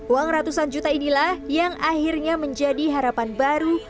uang ratusan juta inilah yang akhirnya menjadi harapan baru